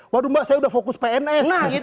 waduh mbak saya udah fokus pns